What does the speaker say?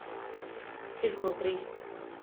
És molt trist.